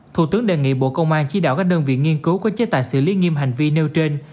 thủ tướng đề nghị bộ công an chỉ đạo các đơn vị nghiên cứu có chế tài xử lý nghiêm hành vi nêu trên